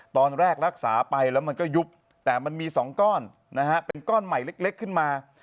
ตอนแรกรักษาไปแล้วมันก็ยุบแต่มันมี๒ก้อนนะฮะเป็นก้อนใหม่เล็กขึ้นมา